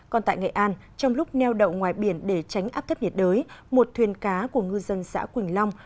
còn tại nghệ an trong lúc neo đậu ngoài biển để tránh áp thấp nhiệt đới một thuyền cá của ngư dân xã quỳnh long